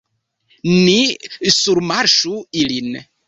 Ni surmarŝu ilin.